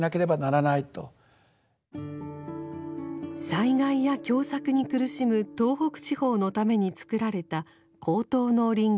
災害や凶作に苦しむ東北地方のためにつくられた高等農林学校。